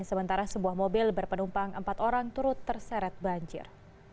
sementara sebuah mobil berpenumpang empat orang turut terseret banjir